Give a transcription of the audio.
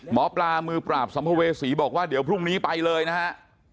หมอปลามือปราบสัมภเวษีบอกว่าเดี๋ยวพรุ่งนี้ไปเลยนะฮะ